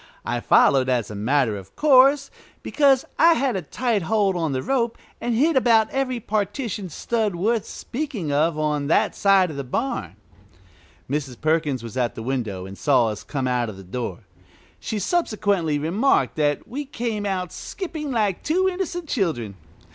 I followed, as a matter of course, because I had a tight hold on the rope, and hit about every partition stud worth speaking of on that side of the barn. Mrs. Perkins was at the window and saw us come out of the door. She subsequently remarked that we came out skipping like two innocent children.